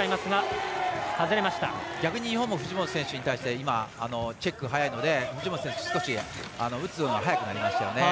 日本も藤本選手に対して今、チェック早いので藤本選手打つのが速くなりましたよね。